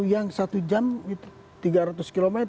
yang satu jam tiga ratus km